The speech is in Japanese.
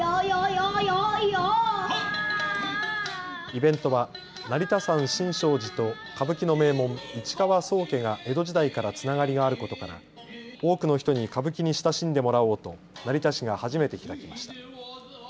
イベントは成田山新勝寺と歌舞伎の名門、市川宗家が江戸時代からつながりがあることから多くの人に歌舞伎に親しんでもらおうと成田市が初めて開きました。